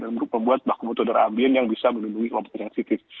untuk membuat baku mutu udara ambien yang bisa melindungi kelompok sensitif